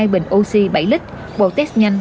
hai bình oxy bảy lít bộ test nhanh